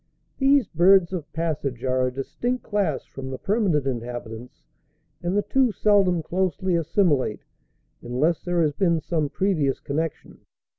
These birds of passage are a distinct class from the permanent inhabitants, and the two seldom closely assimilate unless there has been some previous connection.